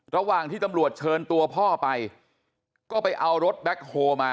ระหว่างที่ตำรวจเชิญตัวพ่อไปก็ไปเอารถแบ็คโฮมา